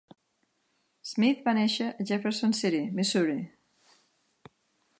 Smith va néixer a Jefferson City, Missouri.